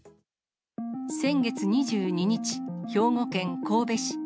先月２２日、兵庫県神戸市。